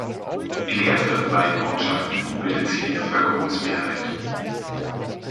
In ersteren beiden Ortschaften bildet sie die Bevölkerungsmehrheit.